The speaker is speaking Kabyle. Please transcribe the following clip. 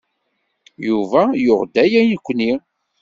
Yuba yuɣ-d aya i nekkni.